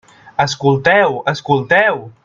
Escolteu, escolteu!